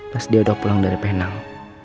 pas dia udah pulang dari penang